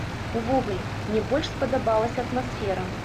Увогуле, мне больш спадабалася атмасфера.